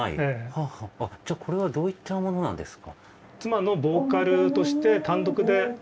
じゃあこれはどういったものなんですか？